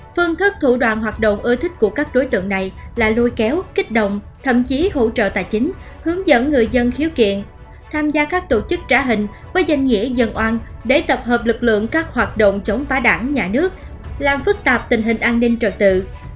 phương thức thủ đoàn hoạt động ưa thích của các đối tượng này là lôi kéo kích động thậm chí hỗ trợ tài chính hướng dẫn người dân khiếu kiện tham gia các tổ chức trả hình với danh nghĩa dân oan để tập hợp lực lượng các hoạt động chống phá đảng nhà nước làm phức tạp tình hình an ninh trật tự